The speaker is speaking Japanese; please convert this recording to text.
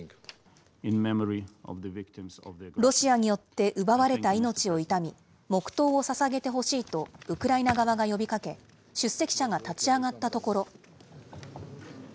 ロシアによって奪われた命を悼み、黙とうをささげてほしいと、ウクライナ側が呼びかけ、出席者が立ち上がったところ。